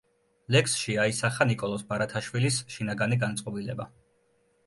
ლექსში აისახა ნიკოლოზ ბარათაშვილის შინაგანი განწყობილება.